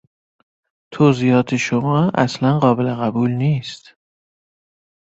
توضیحات شما اصلا قابل قبول نیست.